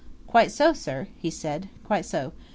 "Quite so, sir," he said, "quite so.